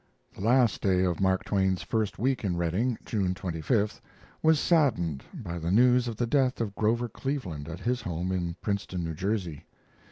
The last day of Mark Twain's first week in Redding, June 25th, was saddened by the news of the death of Grover Cleveland at his home in Princeton, New Jersey.